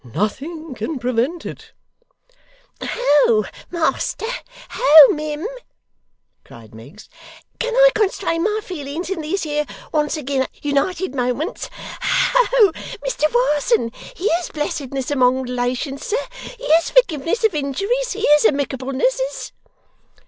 nothing can prevent it!' 'Ho master, ho mim!' cried Miggs, 'can I constrain my feelings in these here once agin united moments! Ho Mr Warsen, here's blessedness among relations, sir! Here's forgivenesses of injuries, here's amicablenesses!